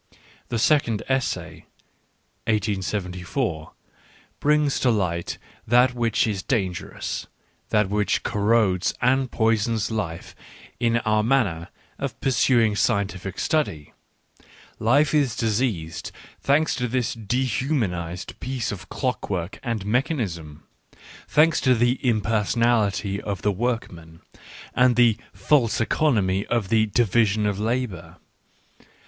The second essay (1874) brings to light that which is dangerous, that which corrodes and poisons life in our manner of pursu it ing scientific study : Life is diseased, thanks to this dehumanised piece of clockwork and mechanism, i j thanks to the " impersonality " of the workman, ' and the false economy of the " division of labour."